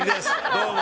どうも。